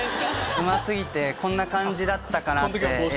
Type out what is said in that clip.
うま過ぎてこんな感じだったかなって。